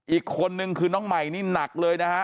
อีกคนนึงคือน้องใหม่นี่หนักเลยนะฮะ